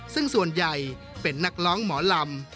ซึ่งส่วนใหญ่เป็นนักร้องหมอลำ